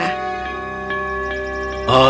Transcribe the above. jangan lupa jangan lupa